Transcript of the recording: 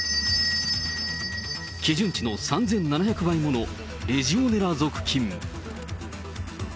基準値の３７００倍ものレジオネラ属菌。